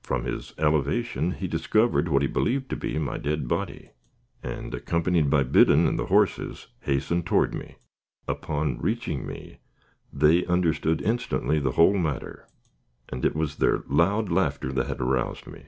From his elevation he discovered what he believed to be my dead body; and, accompanied by Biddon and the horses, hastened toward me. Upon reaching me, they understood instantly the whole matter, and it was their loud laughter that had aroused me.